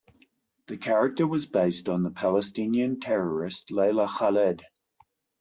The character was based on the Palestinian terrorist Leila Khaled.